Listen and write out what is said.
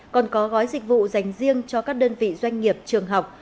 còn có gói dịch vụ dành riêng cho các đơn vị doanh nghiệp trường học